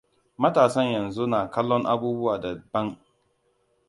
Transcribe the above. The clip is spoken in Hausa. Matasan yanzu na kallon abubuwa da ban.